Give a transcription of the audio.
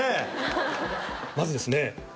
まずですね